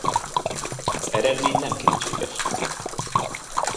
Az eredmény nem kétséges!